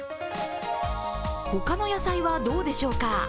他の野菜はどうでしょうか。